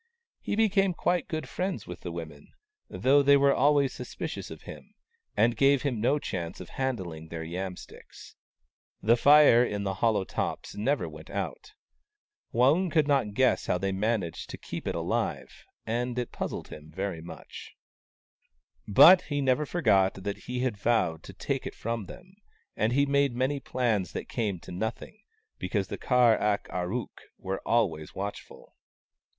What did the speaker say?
He became quite good friends with the women, though they were always suspicious of him, and gave him no chance of handling their yam sticks. The fire in the hollow tops never went out. Waung could not guess how they managed 54 WAUNG, THE CROW tok eep it alive there, and it puzzled him very much. But he never forgot that he had vowed to take it from them, and he made many plans that came to nothing, because the Kar ak ar ook were always watchful.